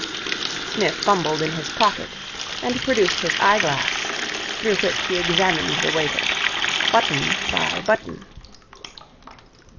Psmith fumbled in his pocket and produced his eye glass, through which he examined the waiter, button by button.